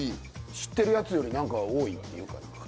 知ってるやつより何か多いっていうか。